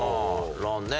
「ロン」ね。